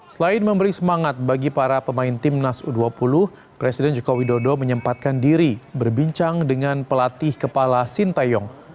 selain memberi semangat bagi para pemain timnas u dua puluh presiden jokowi dodo menyempatkan diri berbincang dengan pelatih kepala sintayong